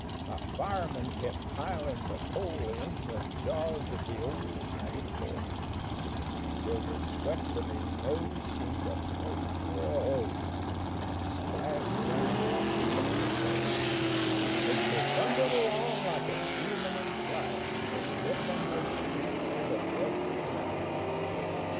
My fireman kept pilin' the coal in The jaws of the ol' 94, Till the sweat from his nose seemed to play through a hose An' splashed 'round his feet on the floor, As we thundered along like a demon in flight, A rippin' a streak through the breast of the night.